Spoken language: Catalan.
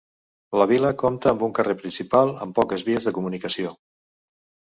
La vila compta amb un carrer principal, amb poques vies de comunicació.